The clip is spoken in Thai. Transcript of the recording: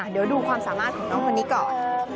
เดี๋ยวดูความสามารถของน้องคนนี้ก่อน